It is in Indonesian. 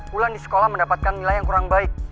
pulang di sekolah mendapatkan nilai yang kurang baik